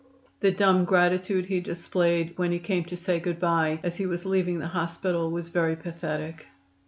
The dumb gratitude he displayed when he came to say "good bye" as he was leaving the hospital was very pathetic.